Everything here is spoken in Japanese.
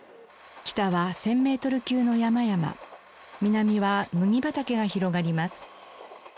北は１０００メートル級の山々南は麦畑が広がります。